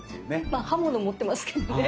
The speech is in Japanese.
まあ刃物持ってますけどね。